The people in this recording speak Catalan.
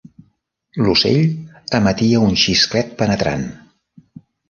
L'ocell emetia un xisclet penetrant.